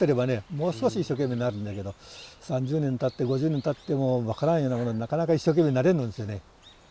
もう少し一生懸命になるんじゃけど３０年たっても５０年たっても分からんようなものになかなか一生懸命になれんのですよね。